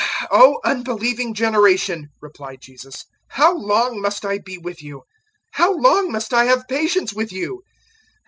009:019 "O unbelieving generation!" replied Jesus; "how long must I be with you? how long must I have patience with you?